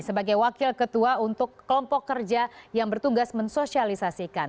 sebagai wakil ketua untuk kelompok kerja yang bertugas mensosialisasikan